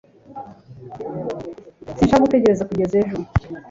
Sinshaka gutegereza kugeza ejo